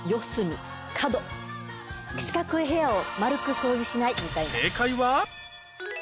四角い部屋を丸く掃除しないみたいな。